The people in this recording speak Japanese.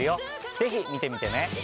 ぜひ見てみてね。